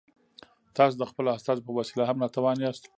تاسو د خپلو استازو په وسیله هم ناتوان یاست.